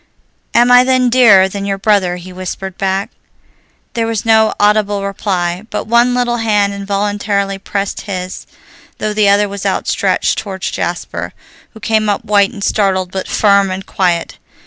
"Am I then dearer than your brother?" he whispered back. There was no audible reply, but one little hand involuntarily pressed his, though the other was outstretched toward Jasper, who came up white and startled but firm and quiet.